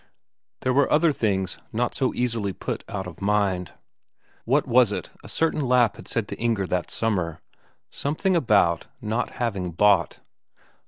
There were other things not so easily put out of mind. What was it a certain Lapp had said to Inger that summer something about not having bought?